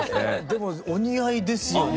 でもお似合いですよね。